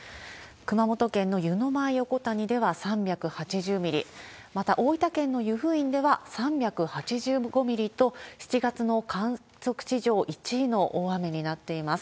熊本県の湯前横谷では３８０ミリ、また大分県の湯布院では３８５ミリと、７月の観測史上１位の大雨になっています。